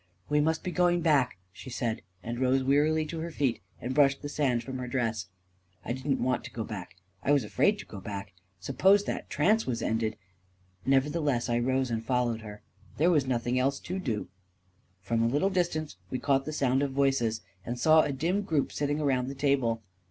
" We must be going back," she said, and rose wearily to her feet and brushed the sand from her dress. I didn't want to go back; I was afraid to go back; suppose that trance was ended ... Nevertheless I rose and followed her. There was nothing else to do. From a little distance, we caught the sound of voices, and saw a dim group sitting around the table.